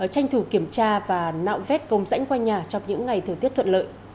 tranh thủ kiểm tra và nạo vét công dãnh qua nhà trong những ngày thời tiết thuận lợi